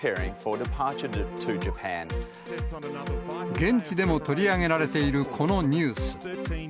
現地でも取り上げられているこのニュース。